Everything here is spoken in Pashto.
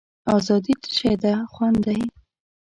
آزادي څه شی ده خوند دی.